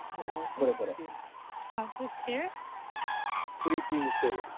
クリーピングセボリー。